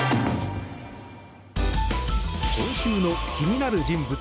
今週の気になる人物